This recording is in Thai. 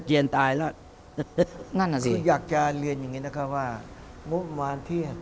คืออยากจะเรียนอย่างนี้ก็คือว่า